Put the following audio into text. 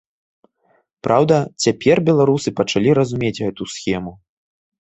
Праўда, цяпер беларусы пачалі разумець гэту схему.